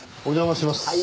お邪魔します。